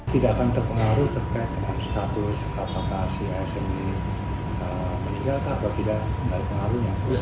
tidak akan terpengaruh terkait dengan status apakah si smi meninggal atau tidak